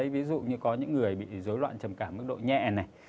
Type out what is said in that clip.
ví dụ như có những người bị dối loạn trầm cảm mức độ nhẹ này